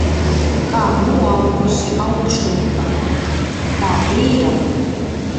Kā noaugusi augšlūpa. Kā vīram.